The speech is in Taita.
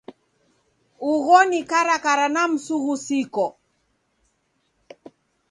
Ugho ni karakara na msughusiko.